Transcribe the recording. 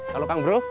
kalau kang bro